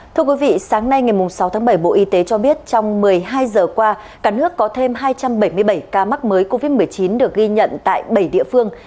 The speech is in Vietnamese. thưa quý vị sáng nay ngày sáu tháng bảy bộ y tế cho biết trong một mươi hai giờ qua cả nước có thêm hai trăm bảy mươi bảy ca mắc mới covid một mươi chín được ghi nhận tại bảy địa phương